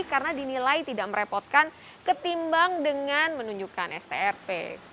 karena dinilai tidak merepotkan ketimbang dengan menunjukkan strp